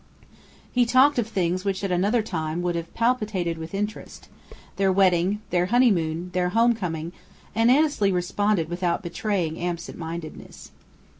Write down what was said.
He talked of things which at another time would have palpitated with interest: their wedding, their honeymoon, their homecoming, and Annesley responded without betraying absent mindedness.